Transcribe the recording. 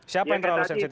siapa yang terlalu sensitif